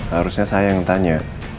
harusnya saya yang tanya